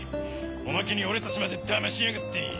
おまけに俺たちまで騙しやがって！